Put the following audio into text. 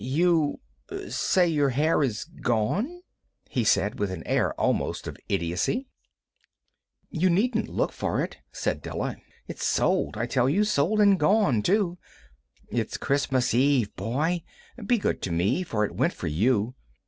"You say your hair is gone?" he said, with an air almost of idiocy. "You needn't look for it," said Della. "It's sold, I tell you—sold and gone, too. It's Christmas Eve, boy. Be good to me, for it went for you.